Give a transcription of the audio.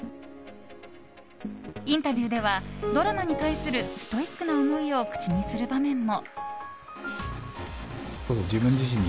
インタビューではドラマに対するストイックな思いを口にする場面も。